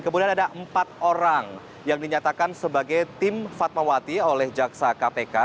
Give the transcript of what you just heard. kemudian ada empat orang yang dinyatakan sebagai tim fatmawati oleh jaksa kpk